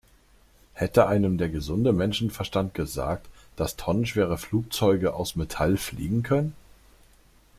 Hätte einem der gesunde Menschenverstand gesagt, dass tonnenschwere Flugzeuge aus Metall fliegen können?